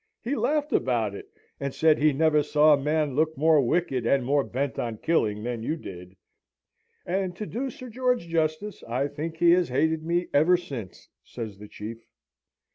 He laughed about it, and said he never saw a man look more wicked and more bent on killing than you did: 'And to do Sir George justice, I think he has hated me ever since,' says the Chief.